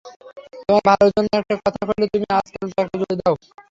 তোমার ভালোর জন্যে একটা কথা কইলে তুমি আজকাল তর্ক জুড়ে দাও।